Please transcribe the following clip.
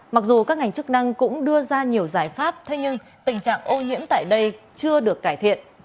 mặc dù các ngành chức năng cũng đưa ra nhiều giải pháp thế nhưng tình trạng ô nhiễm tại đây chưa được cải thiện